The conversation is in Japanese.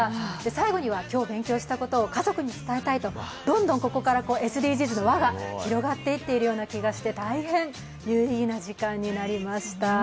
最後には今日勉強したことを家族に伝えたいとどんどんここからＳＤＧｓの輪が広がっているような気がして大変有意義な時間でした。